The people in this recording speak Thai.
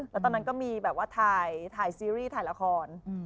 แล้วตอนนั้นก็มีแบบว่าถ่ายซีรีส์ถ่ายละคร